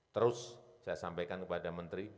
terus saya sampaikan kepada menteri